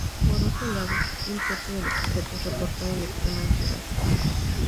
Por otro lado, un tercio de los sujetos reportaron extrema ansiedad.